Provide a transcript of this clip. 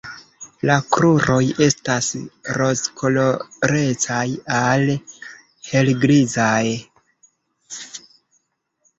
La kruroj estas rozkolorecaj al helgrizaj.